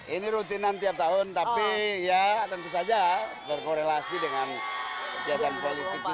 ini rutinan tiap tahun tapi ya tentu saja berkorelasi dengan kegiatan politik kita